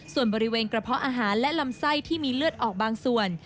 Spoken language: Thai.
ส่วนบริเวณกระเพาะอาหารและลำไส้ที่มีเลือดออกบางส่วน